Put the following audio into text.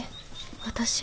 私